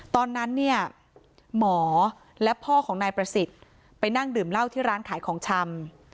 ตอนนั้นเนี่ยหมอและพ่อของนายประสิทธิ์ไปนั่งดื่มเหล้าที่ร้านขายของชำ